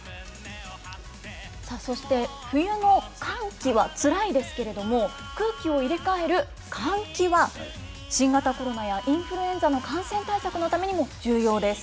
そして、冬の寒気はつらいですけれども、空気を入れ替える換気は、新型コロナやインフルエンザの感染対策のためにも重要です。